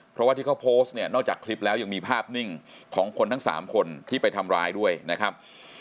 เพราะว่าที่เขาโพสต์เนี่ยนอกจากคลิปแล้วยังมีภาพนิ่งของคนทั้ง๓คนที่ไปทำร้ายด้วยนะครับ